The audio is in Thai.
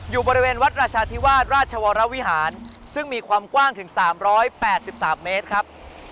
อยู่บริเวณวัดราชาธิวาสราชวรวิหารซึ่งมีความกว้างถึง๓๘๓เมตรครับ